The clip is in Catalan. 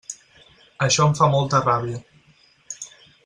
Això em fa molta ràbia.